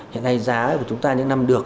hiện nay giá của chúng ta những năm được